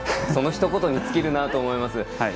そのひと言に尽きるなと思います。